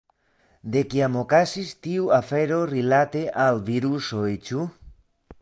De kiam okazis tiu afero rilate al virusoj, ĉu?